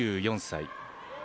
２４歳。